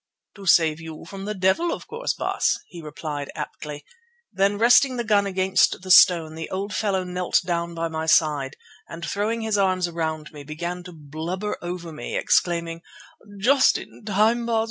"To save you from the devil, of course, Baas," he replied aptly. Then, resting the gun against the stone, the old fellow knelt down by my side and, throwing his arms around me, began to blubber over me, exclaiming: "Just in time, Baas!